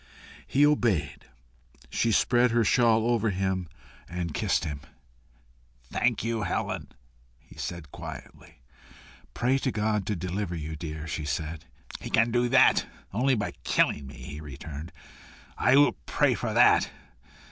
He obeyed. She spread her shawl over him and kissed him. "Thank you, Helen," he said quietly. "Pray to God to deliver you, dear," she said. "He can do that only by killing me," he returned. "I will pray for that.